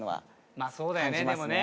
まあそうだよねでもね。